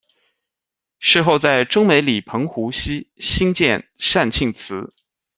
事后在中美里澎湖厝兴建善庆祠。